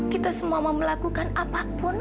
kita semua mau melakukan apapun